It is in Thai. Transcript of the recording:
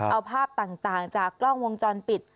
เอาภาพต่างจากกล้องวงจรปิด